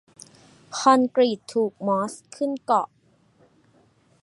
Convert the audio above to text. คอนกรีตถูกมอสขึ้นเกาะ